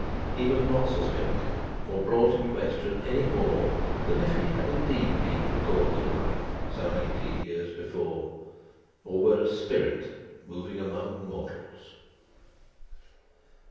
He was not suspected or brought in question, any more than if he had indeed been recalled to life some eighteen years before, or were a Spirit moving among mortals.